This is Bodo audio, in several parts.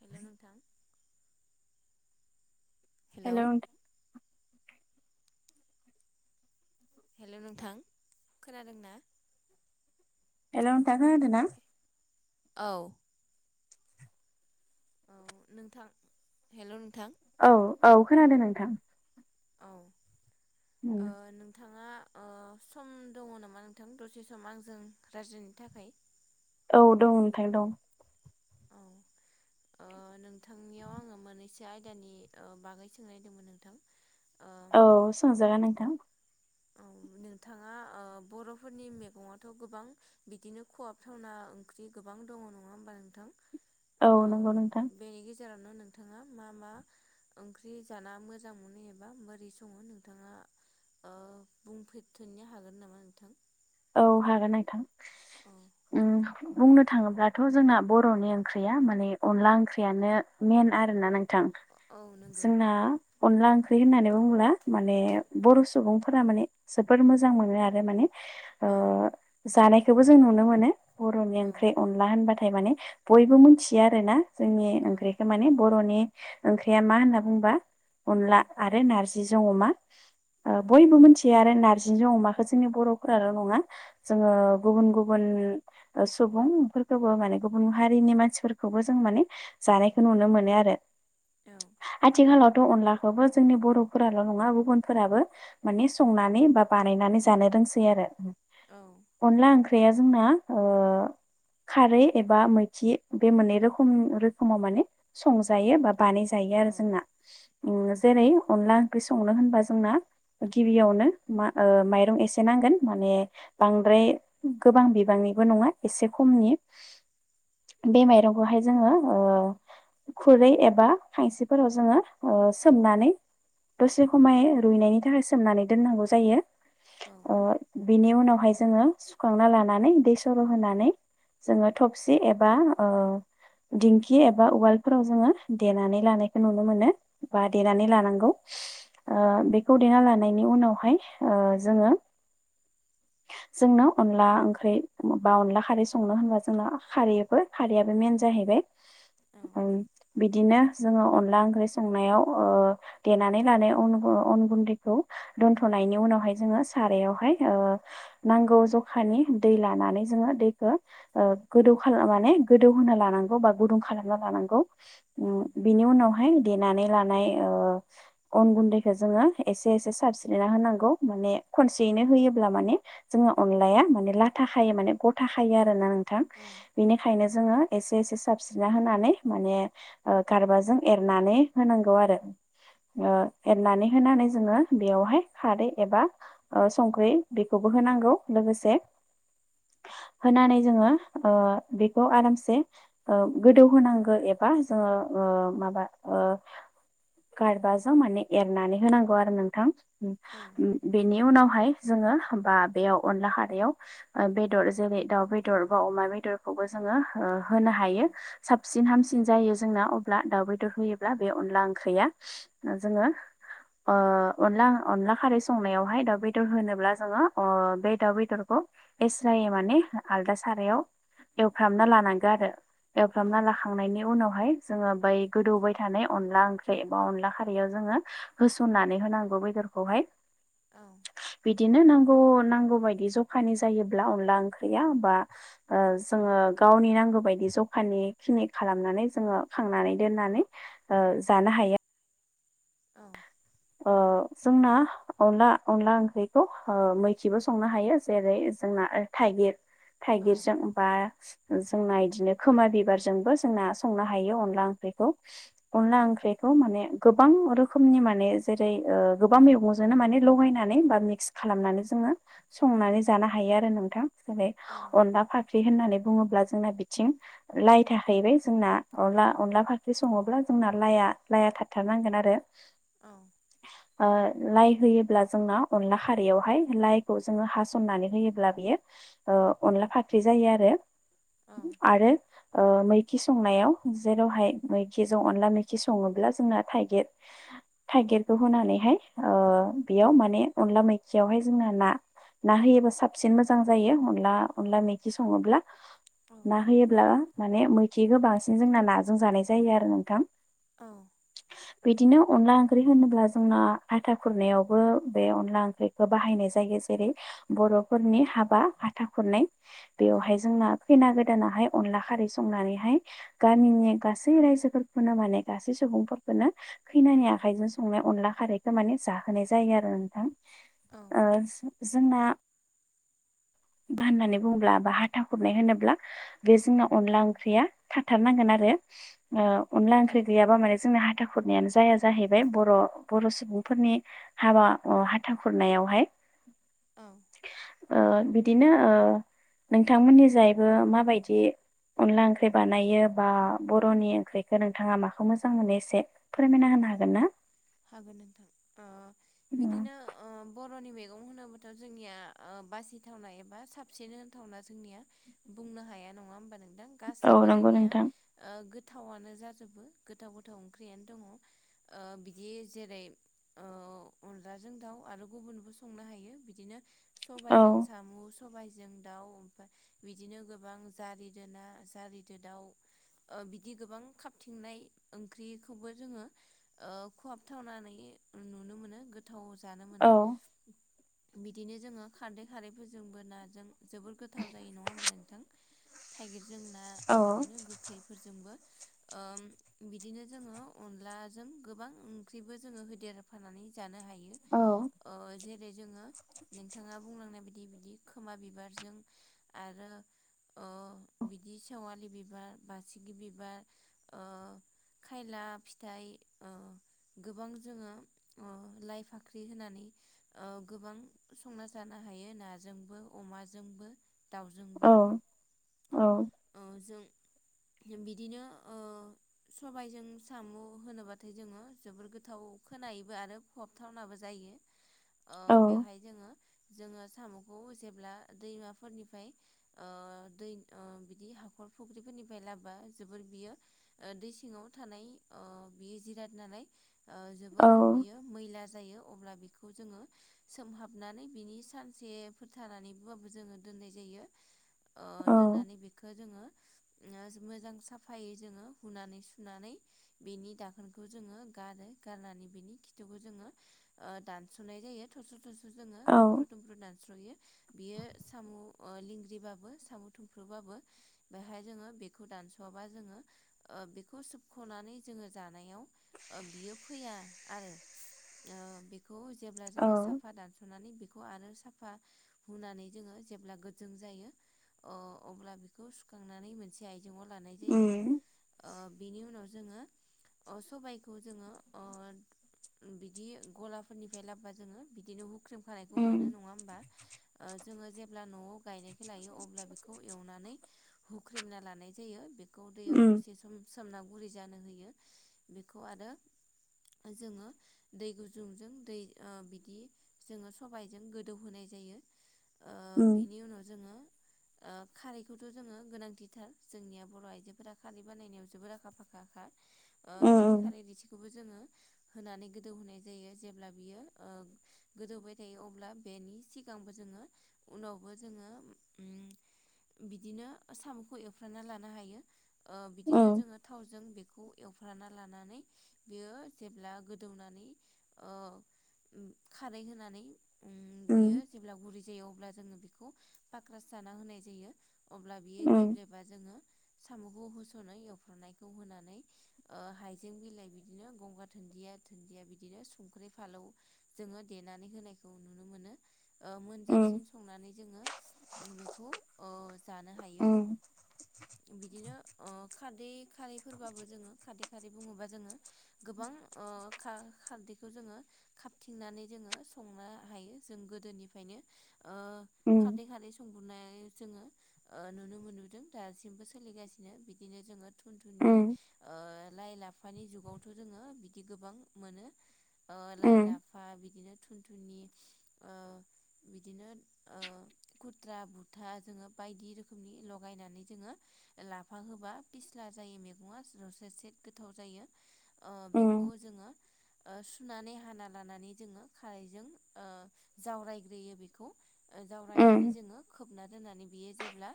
हेलौ नोंथां हेलौ हेलौ नोंथां खोनादों ना? हेलौ नोंथां खोनादोंना? औ औ नोंथां हेलौ नोंथां औ औ खोनादों नोंथां। औ ओ नोंथाङा ओ सम दङ नामा नोंथां दसे सम आंजों रायज्लायनो थाखाय औ दं नोंथां दं। औ ओ नोंथांनियाव आङो मोनैसो आयदानि ओ बागै सोंनायदोंमोन नोंथां ओ औ सोंजागोन नोंथां। औ नोंथाङा ओ बर'फो फोरनि मैगआवथ' गोबां बिदिनो खहाब थावना ओंख्रि गोबां दङ नङा होमबा नोंथां औ नंगौ नोंथां जेरावनो नोंथाङा मा मा ओंख्रि जाना मोजां मोनो एबा बोरै सङो नोंथाङा ओ बुंफेरथोनो हागोन नामा नोंथां? औ हागोन नोंथां। औ उम बुंनो थाङोब्लाथ' जोंना बर'नि ओंख्रिया माने अनला ओंख्रियानो मेन। मेन आरोना नोंथां औ नंगौ जोंना अनला ओंख्रि होननानै बुङोब्ला माने बर' सुबुंफोरा माने जोबोद मोजां मोनो आरो माने ओ औ। जानायखौबो जों नुनो मोनो बर'नि औ ओंख्रि अनला होनबाथाय माने बयबो मोनथियो आरोना। जोंनि औ ओंख्रिखौ माने बर'नि ओंख्रिया मा होनना बुंबा औ अनला आरो नारजि। जिजों अमा ओ औ बयबो मोनथियो आरो नारजि जो अमाखौ जोंनि बर'फोरा नङा जोङो गुबुन गुबुन ओ सुबुं-फोरखौबो माने गुबुन हारिनि मानसि मानसिफोरखौबो जों माने जानायखौ नुनो मोनो आरो औ आथिखालाव थ अनलाखौबो जोंनि बर'फोराल' नङा गुबुनफोराबो माने औ संनानै बा बानायनानै जानो रोंसै आरो औ अनला ओंख्रिया जोंना ओह खारै एबा मैथि बे मोननै रोखोम रोखोमाव माने संजायो बा बानायजायो आरो जोंना उम औ जेरै अनला ओंख्रि संनो होनबा जोंना गिबियावनो मा ओ माइरं एसे नांगोन। माने बांद्राय गोबां बिबांनिबो नङा एसे खमनि। बे माइरंखौहाय जोङो ओ खुरै एबा खांसिफोराव जोङो ओ ओ सोमनानै दसे खमाय रुइनायनि थाखाय सोमनानै दोननांगौ जायो। औ ओ बिनि उनावहाय जोङो सुखांना लानानै दै सर' होनानै जोङो थबसि एबा ओ दिंखि एबा उवालफोराव जोङो देनानै लानायखौ नुनो मोनो। बा देनानै औ लानांगौ ओ बेखौ देना लानो लानायनि उनावहाय ओ जोङो जोंनो अनला ओंख्रि बा अनला खारै संनो होनबा जोंना खारैबो खारैयाबो मेन जाहैबाय। औ औ ओं। बिदिनो जोङो अनला ओंख्रि संनायाव ओ देनानै लानाय अन अन गुन्दैखौ दोनथ'नायनि उनावहाय जोङो सारायावहाय ओ नांगौ जखानि दै लानानै जोङो दैखो ओ गोदौ खालामनानै गोदौ होना लानांगौ बा गुदुं खालामना लानांगौ उम बिनि उनाव [unintelligible] देनानै लानाय ओ अन गुन्दैखो जोङो एसे एसे सारस्रिना होनांगौ। माने खनसेयैनो होयो ब्ला माने जोंङो अनलाया माने लाथा खायो माने गथा खायो आरोना नोंथां बेनिखायनो जोङो एसे एसे साबस्रिना होनानै माने ओ गारबाजों एरनानै होनांगौ आरो। ओ एरनानै होनानै जोङो बेयावहाय खारै एबा ओ संख्रि बेखौबो होनांगौ लोगोसे होनानै जोङो ओ बेखौ आरामसे ओ गोदौ होनांगो एबा जोङो। ओ माबा ओ। गारबाजों माने एरनानै होनांगौ आरो नोंथां बेनि उनावहाय जोङो। बा बेयाव अनला खारायाव ओ बेदर जेरै दाउ बेदर बा अमा बेदरखौबो जोङो ओ। होनो हायो साबसिन हामसिन। सिन जायो जोंना अब्ला दाउ बेदर होयोब्ला बे अनला ओंख्रिया जोङो। ओ अनला अनला खारै संनायावहाय दाउ बेदर होनोब्ला। जोङो उ बे दाउ बेदरखौ एस्राय माने आलदा सारायाव। एवफ्रामना लानांगौ आरो एवफ्रामना लाखांनायनि उनावहाय। जोङो बै गोदौबाय थानाय अनला ओंख्रि बा अनला खारैयाव जोङो होसननानै होनांगौ बे। खौहाय। औ। दिनो नांगौ नांगौ बायदि जखानि जायोब्ला अनला ओंख्रिया बा ओ जोङो। गावनि नांगौ बायदि जखानि खिनि खालामनानै जोङो खांनानै दोननानै ओ जानो हायो। ओ जोंना अनला अनला ओंख्रिखौ ओ मैखिबो संनो हायो जेरै जों। ना थाइगिर थाइगिरजों बा। जोंना यिदिनो खोमा बिबारजोंबो जोंना संनो हायो अनला ओंख्रिखौ अनला ओंख्रिखौ। खौ माने गोबां रोखोमनि माने जो। जेरै ओ गोबां मैगंजोंनो माने लगायनानै बा मिक्स खालामनानै जोङो संनानै जानो हायो। ओरै आरो नोंथां जै अनला फाख्रि होननानै। बुङोब्ला जोंना बिथिं लाइ थाहैबाय जोंना अनला अनला फाख्रि सङोब्ला जोंना लाइया। ला लाया थाथारनांगोन आरो। ओ लाइ होयोब्ला जोंना अनला खारैयावहाय लाइखौ जोङो हास'ननानै होयोब्ला बियो। ओ अनला फाख्रि जायो आरो। ओ मैखि संनायाव जेरावहाय मैखिजों अनला मैखि सङोब्ला जोंना थाइगिर। थाइगिरखौ होनानैहाय ओ बेयाव माने अनला मैखियावहाय जोंना ना। ना होयोबा साबसिन मोजां जायो अन। अनला अनला मैखि सङोब्ला ना होयोब्ला माने मैखिखौ बांसिन जोंना नाजों जानाय जायो आरो नोंथां। उम। बिदिनो अनला ओं ओंख्रि होनोब्ला जोंना आथा खुरनायावबो बे अनला ओंख्रिखौ बाहायनाय जायो जेरै बर बर'फोरनि हाबा हाथा खुरनाय बेयावहाय जोंना खैना गोदा गोदानावहाय अनला खारै संनानैहाय गामिनि गासै रायजोफोरखौनो माने गासै सुबुंफोरखौ खैनो खैनानि आखा आखाइजों संनाय अनला खारैखौ माने जाहोनाय जायो आरो नोंथां‌ ओ। जोंना। होननानै बुङोब्ला बा हाथा हुरनाय होनोब्ला बे जोंना अनला ओंख्रिया थाथारनांगोन आरो। बे ओ अनला ओंख्रि गैयाबा माने जोंना हा हाथा खुरनायानो जाया जाहैबाय बर' बर' सुबुंफोरनि हाबा अ हाथा खुरनायावहाय। औ। ओ बिदिनो ओ नोंथांमोननि जायैबो माबायदि? अनला ओंख्रि बानायो बा बर'नि ओंख्रिखौ नोंथाङा माखौ मोजां मोनो एसे। फोरमायना होनो औ हागोन ना? हागोन नोंथां ओ बिदिनो ओ ब बर'नि मैगं होनोबथ' जोंनिया ओ बासिथावना एबा साबसिन होनथावना जोंनिया। बुंनो हाया नङा होनोमबा नों औ गासैबो नंगौ जोंनिया नोंथां ओ गोथावआनो जाजोबो गोथाव गोथाव ओंख्रियानो दङ। ओ ओ बिदि जेरै ओ अनला जों दाउ आरो गुबुनबो संनो हायो बिदिनो। औ सबायइजों सामुस। सबायजों दाउ ओमफ्राय बिदिनो गोबां जारिदोना जारिदो दाउ ओ‌ बिदि गोबां खाबथिंनाय ओंख्रिखौबो जोङो। ओ खहाबथावनानै नुनो मोनो गोथाव जानो औ मोनो। बिदिनो जोङो खारदै खारैफोरजोंबो नाजों जोबोर गोथाव जायो नङा होमबा नोंथां थाइगिरजों ना औ बिदिनो गोखैफोरजोंबो ओ बिदिनो जोङो अनला गोबां ओंख्रिबो जोंङो होदेरफानानै जानो हायो औ ओ जे जेरै जोङो नोंथाङा बुंलांनाय बायदि बिदि खोमा बिबारजों आरो ओ बिदि सेवालि बिबार बासिगि बिबार ओ खायला फिथाइ औ गोबां जोङो ओ लाइ फाख्रि होनानै गोबां संना जानो हायो। हायो नाजोंबो अमाजोंबो औ दाउजोंबो औ ओ जों बिदिनो ओ सबायजों साम' होनोब्लाथाय जोंङो जोबोर गोथाव खोनायोबो आरो फबथावनाबो जायो ओ बेवहाय जोंङो जोंङो साम'खौ जेब्ला दैमा फोरनिफ्राय ओ दैद ओ बिदि हाखर फुख्रिफोरनिफ्राय लाबा जोबोर बियो ओ दै सिङांव थानाय ओ बियो जिराद नालाय ओ औ जोबोर बियो मैला जायो। अब्ला बेखौ जोंङो सोमहाबनानै बिनि सानसे फोरथानानैबाबो जोंङो दोननाय जाय ङो अ औ दोननानै बेखो जोंङो ओ मोजां साफायै जोंङो हुनानै सुनानै बेनि दाखोनखौ जोंङो गारो गारनानै बिनि खिथुखौ जोंङो ओ दानस'नाय जायो थब्स्र स्रस' जोंङो औ थुमफ्रु थुमफ्रु दानस'यो बियो साम' ओ लिंग्रिबाबो सामु थुमफ्रुबाबो बेहाय जोंङो बेखौ दानस'वाबा जोंङोखौ ओ बेखौ सोबख'नानै नै जोंङो जानायाव ओ बियो फैया आरो। खौ जेब्ला औ जोंङो साफा दानस'नानै आरो साफा हुनानै जोंङो जेब्ला गोदजों जायो अ अब्ला बेखौ सुखांनानै मोनसे आयजें आव लानाय जायो उम ओ बेनि उनाव जोंङो अ सबायखौ जोंङो अ बिदि गलाफोरनिफ्राय लाब्बा जोंङो बिदिनो हुख्रेम खानायखौ उम मोनो नंङा होमबा? ओ जोंङो जेब्ला न'आव गायनायखौ लायो अब्ला बेखौ एवनानै हुख्रेमना लानाय जायो बेखौ दैयाव उम दसे सम सोमना गुरै जानो होयो बेखौ आरो जोंङो दै गुजुंजों दै ओ बिदि जोंङो सबायजों गोदौ होनाय जायो ओ उम बेनि उनाव जोंङो ओ खारैखौथ' जोंङो गोनांथिथार जोंनिया बर' आइजोफोरा खारै बानायनायाव जोबोर आखा फाखा फाखा खा ओ बिनि उम खारै रोसिखौबो जोंङो होनानै गोदौहोनाय जायो जेब्ला बियो ओ गोदौबाय थायो अब्ला बेनि सिगांबो जों ङो उनावबो जोंङो उम बिदिनो साम'खौ एवफ्राना लानो हायो। ओ बिदिनो उम जोंङो थावजों बेखौ एव फ्राना लानानै बियो जेब्ला गोदौनानै ओ उम खारै होनानै अंम उम बियो जेब्ला गुरै जायो अब्ला जोंङो बेखौ फाक्रासाना होनाय जायो। अब्ला बियो गेब्लेबा जोंङो साम'खौ होस'नो एवफ्राननायखौ होनानै ओ हाइजें बिलाइ बिदिनो गंगार धोन न्दिया दुुनदिया बिदिनो संख्रि फालौ जोंङो देनानै होनायखौ नुनो मोनो। ओ मोनजाबसिम संनानै जोंङो बेखौ ओ जानो हायो बिदिनो अ खारादै खारैफोरबाबो जोंङो खदै खारै बुंङोबा जोंङो गोबां ओ खारदैखौ जोंङो खाबथिंनानै जोंङो संनो हायो जों गोदोनिफ्रायनो ओ ओ खारदै खारदै संबुरनाय जोंङो ओ नुनो मोनबोदों दासिमबो सोलिगासिनो बिदिनो जोंङो थुन-थुनि ओ लाइ लाफानि जुगावथ' जोंङो बिदि गोबां मोनो। अ लाइ लाफा बिद दिनो थुन-थुनि ओ बिदिनो ओ कुथ्रा बु था जोंङो बायदि रोखोमनि लगायनानै जोंङो लाफा होबा फिस्ला जायो मैगंङा जौसे सेट गोथाव जायो ओ बेखौ जोंङो ओ सुनानै हाना लानानै जोंङो खारैजों जावरायग्रोयो बेखौ। ओ जावरायनानै जोंङो ना दोननानै बियो जेब्ला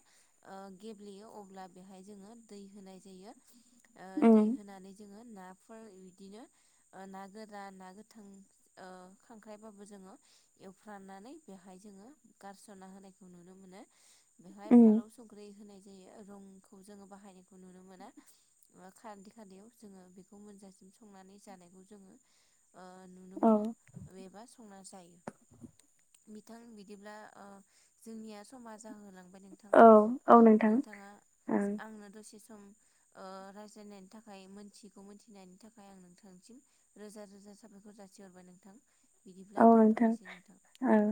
गेब्लेयो अब्ला बेहाय जोंङो दै होनाय जायो। ओ दै होनानै जोंङो ना नाफोर बिदिनो ना गोरा ना गोथां ओ खांख्राइबाबो जोङो एवफ्राननानै बेहाय जोंङो गारस'ना होनाय नुनो मोनो बेहाय फालौ संख्रि होनाय रंखौ जोंङो बाहायनायखौ नुनो मोना खारदे खान्दैयाव जोङो बेखौ मोनजासिनो संनानै जानायखौ जोंङो ओ नुनो मोनो एबा संना जायो बिथां बिदिब्ला ओ जोंनिया समा जाहोलांदों नोंथां औ ओ औ नोंथां नोंथाङा ओं आंनो दसे सम [unintelligible] ओ रायज्लायनायनि थाखाय मोनथिगौ मिथिनायनि थाखाय आं नोंथांसिम रोजा रोजा साबायखर जासि हरबाय नोंथां औ बिदिब्ला नोंथां दोनथ'नोसै नोंथां ओं